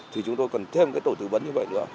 thì chúng tôi cần thêm cái tổ tư vấn như vậy nữa